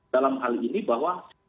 dalam hal ini bahwa